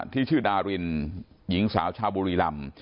ที่ชื่อดารินหญิงสาวชาวบุรีรำ